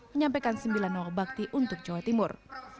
menyampaikan sembilan nama bakti untuk jawa timur